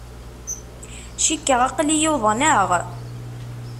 Cikkeɣ aql-iyi uḍneɣ.